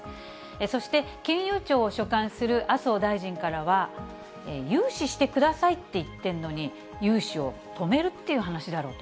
そして、金融庁を所管する麻生大臣からは、融資してくださいって言ってるのに融資を止めるっていう話だろと。